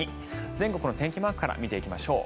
全国の天気マークから見ていきましょう。